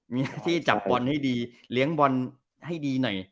มีหน้าที่จับบอลให้ดีเลี้ยงบอลให้ดีหน่อย